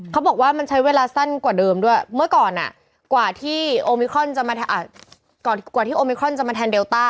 เขาบอกว่ามันใช้เวลาสั้นกว่าเดิมด้วยเมื่อก่อนอะกว่าที่โอมิครอนจะมาแทนเดลต้า